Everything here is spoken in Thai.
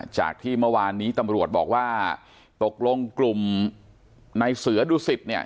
จากที่เมื่อวานนี้ตำรวจบอกว่าตกลงกลุ่มในเสือดุสิตเนี่ย